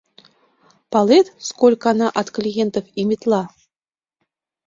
Палет, сколько она от клиентов иметла?